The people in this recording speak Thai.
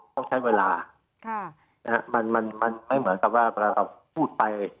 ต้องใช้เวลาค่ะนะฮะมันมันมันไม่เหมือนกับว่าเวลาเราพูดไป